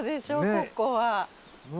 ここは。